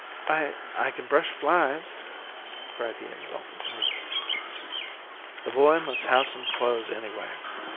"I I kin brush flies," cried he exultantly. "The boy must have some clothes, anyway.